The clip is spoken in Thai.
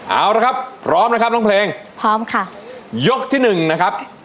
เอาละครับพร้อมนะครับน้องเพลงพร้อมค่ะยกที่หนึ่งนะครับ